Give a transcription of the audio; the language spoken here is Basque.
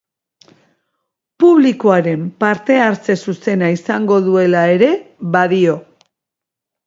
Publikoaren parte-hartze zuzena izango duela ere badio.